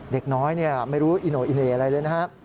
เด็กน้อยนี่ไม่รู้อิโนอิเนยอะไรเลยนะฮะ